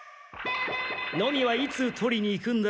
ノミはいつ取りに行くんだ？